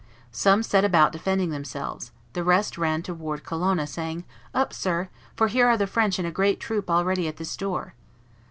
Some set about defending themselves; the rest ran to warn Colonna, saying, "Up, sir; for, here are the French in a great troop already at this door."